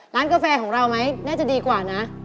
กาแฟของเราไหมน่าจะดีกว่านะ